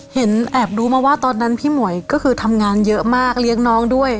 เห็นแอบรู้มาว่าตอนนั้นพี่หมวยก็คือทำงานเยอะมากเลี้ยงน้องด้วย